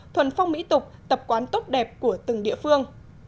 thuần phong mỹ tục tập quán tốt đẹp của từng địa phương